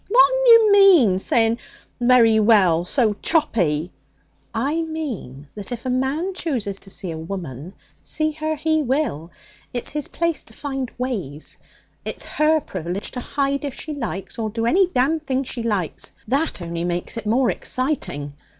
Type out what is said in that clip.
'What'n you mean, saying "very well" so choppy?' 'I mean that if a man chooses to see a woman, see her he will. It's his place to find ways. It's her privilege to hide if she likes, or do any d d thing she likes. That only makes it more exciting.